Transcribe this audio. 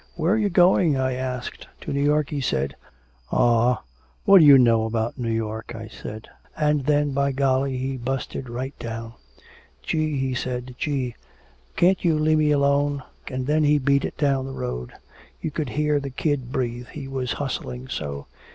'Where you going?' I asked. 'To New York,' he said. 'Aw, what do you know of New York?' I said. And then, by golly, he busted right down. 'Gee!' he said, 'Gee! Can't you lemme alone?' And then he beat it down the road! You could hear the kid breathe, he was hustling so!